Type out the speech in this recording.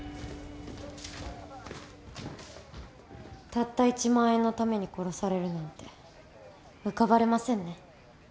たった１万円のために殺されるなんて浮かばれませんね。